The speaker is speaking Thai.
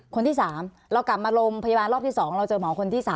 คนที่๓เรากลับมาโรงพยาบาลรอบที่๒เราเจอหมอคนที่๓